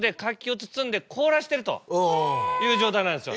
これは。状態なんですよ。